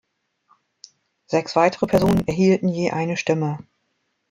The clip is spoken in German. Sechs weitere Personen erhielten je eine Stimme.